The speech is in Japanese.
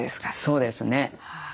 そうですね。